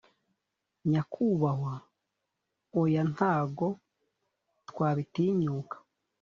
nyakubahwa oya ntago twabitinyuka